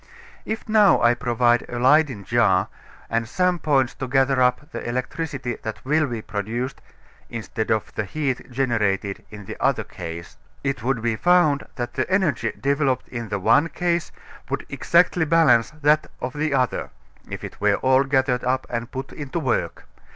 If now I provide a Leyden jar and some points to gather up the electricity that will be produced (instead of the heat generated in the other case), it would be found that the energy developed in the one case would exactly balance that of the other, if it were all gathered up and put into work.